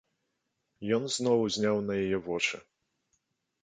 Ён зноў узняў на яе вочы.